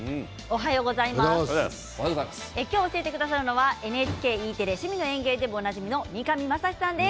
今日教えてくださるのはＮＨＫＥテレ「趣味の園芸」でもおなじみの三上真史さんです。